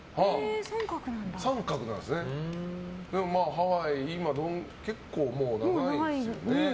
ハワイに今結構もう長いですよね。